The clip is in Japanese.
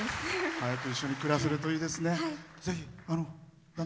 早く一緒に暮らせるといいですね。